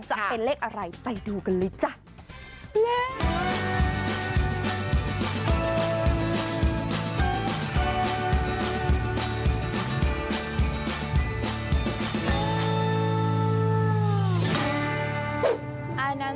จะเป็นเลขอะไรไปดูกันเลยจ้ะ